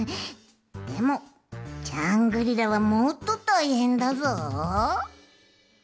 でもジャングリラはもっとたいへんだぞ！